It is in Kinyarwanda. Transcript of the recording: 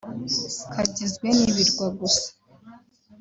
kagizwe n’ibirwa gusa